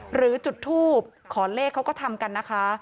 หรือจุดทูบขอเลขเขาก็ทำกันนะคะ